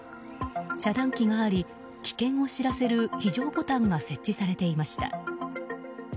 遮断機があり、危険を知らせる非常ボタンが設置されていました。